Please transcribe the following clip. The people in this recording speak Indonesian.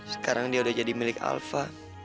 sekarang dia udah jadi milik alpha